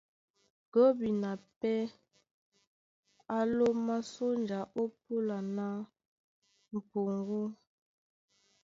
Gɔ́bina pɛ́ á lómá sónja ó púla ná m̀puŋgú.